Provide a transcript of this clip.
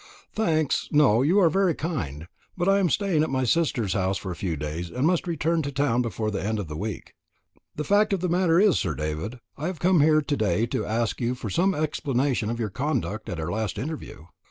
"Thanks no. You are very kind; but I am staying with my sister for a few days, and must return to town before the end of the week. The fact of the matter is, Sir David, I have come here to day to ask you for some explanation of your conduct at our last interview.